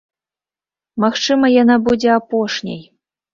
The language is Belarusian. Магчыма, яна будзе апошняй.